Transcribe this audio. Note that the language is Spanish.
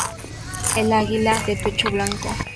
El águila, de pecho blanco.